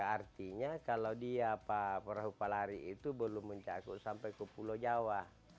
artinya kalau dia perahu palari itu belum mencakup sampai ke pulau jawa